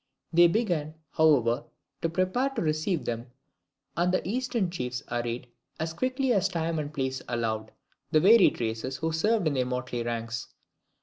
They began, however, to prepare to receive them and the Eastern chiefs arrayed, as quickly as time and place allowed, the varied races who served in their motley ranks.